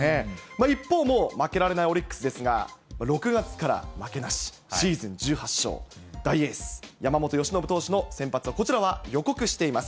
一方、もう負けられないオリックスですが、６月から負けなし、シーズン１８勝、大エース、山本由伸投手の先発、こちらは予告しています。